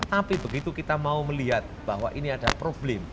tapi begitu kita mau melihat bahwa ini ada problem